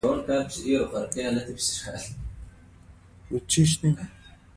سوله د پرمختګ لپاره مناسب چاپېریال جوړوي